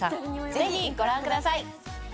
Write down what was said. ぜひご覧ください。